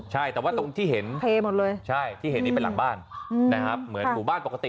ใช่แต่ว่าตรงที่เห็นเทหมดเลยใช่ที่เห็นนี้เป็นหลังบ้านนะครับเหมือนหมู่บ้านปกติ